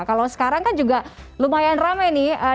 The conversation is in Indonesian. kalau sekarang kan juga lumayan rame nih